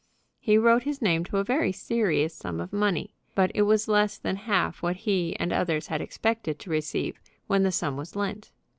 He wrote his name to a very serious sum of money, but it was less than half what he and others had expected to receive when the sum was lent.